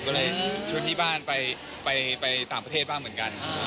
ก็เลยช่วยพี่บ้านไปต่างประเทศบ้างเหมือนกัน